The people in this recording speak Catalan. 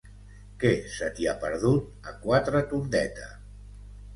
Què se t'hi ha perdut, a Quatretondeta?